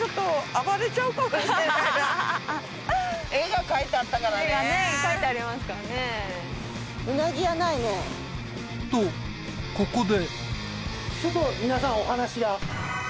絵がね描いてありますからね。とここで。